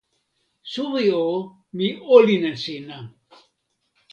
suwi o, mi olin e sina!